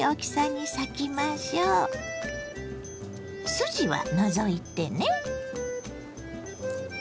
筋は除いてね。